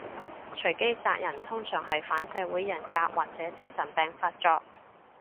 隨機殺人通常係反社會人格或者精神病發作